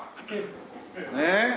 ねっ。